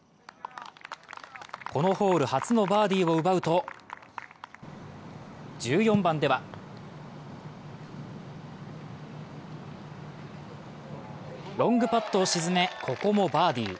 このホール初のバーディーを奪うと、１４番ではロングパットを沈め、ここもバーディー。